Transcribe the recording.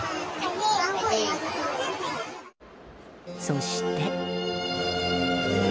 そして。